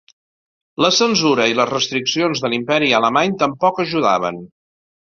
La censura i les restriccions de l'Imperi Alemany tampoc ajudaven.